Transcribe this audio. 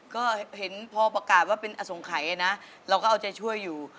ก็เห็นพอประกาศว่าเป็นอสงขัยนะเราก็เอาใจช่วยอยู่